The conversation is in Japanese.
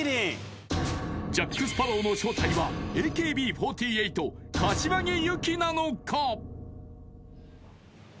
ジャック・スパロウの正体はＡＫＢ４８柏木由紀なのか！？